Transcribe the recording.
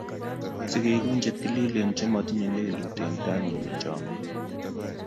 Si keegu che tililen che matinyei lelut eng' tainnyi eng' chamnyet.